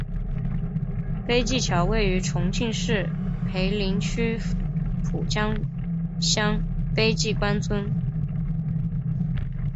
碑记桥位于重庆市涪陵区蒲江乡碑记关村。